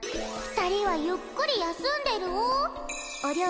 ２人はゆっくり休んでるお！